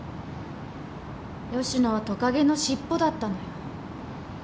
吉野はトカゲの尻尾だったのよ。